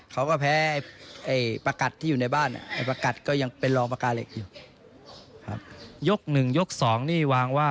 เขาก็แพ้ปากกัดที่อยู่ในบ้าน